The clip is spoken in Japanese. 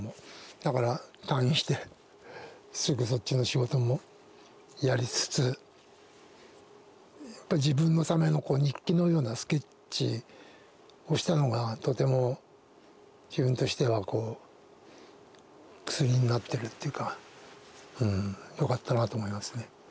だから退院してすぐそっちの仕事もやりつつやっぱ自分のための日記のようなスケッチをしたのがとても自分としては薬になってるっていうかうんよかったなと思いますね。